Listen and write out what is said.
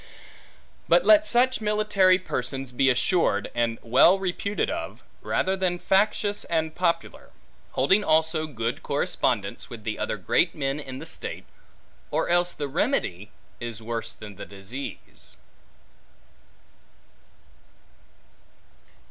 But let such military persons be assured, and well reputed of, rather than factious and popular; holding also good correspondence with the other great men in the state; or else the remedy, is worse than the disease.